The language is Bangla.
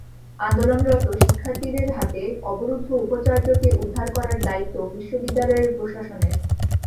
আন্দোলনরত শিক্ষার্থীদের হাতে অবরুদ্ধ উপাচার্যকে উদ্ধার করার দায়িত্ব বিশ্ববিদ্যালয় প্রশাসনের।